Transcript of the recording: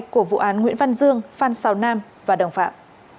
của vụ án nguyễn văn dương phan xào nam và đồng phạm